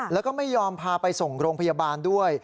แล้วก็ไม่ยอมพาไปส่งโรงพยาบาลด้วย